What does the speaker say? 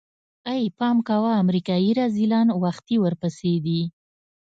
ای پام کوه امريکايي رذيلان وختي ورپسې دي.